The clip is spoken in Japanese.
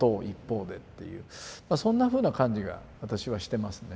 そんなふうな感じが私はしてますね。